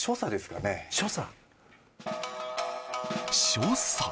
所作。